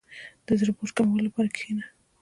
• د زړۀ د بوج کمولو لپاره کښېنه.